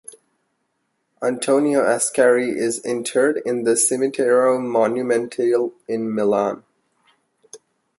Antonio Ascari is interred in the Cimitero Monumentale in Milan.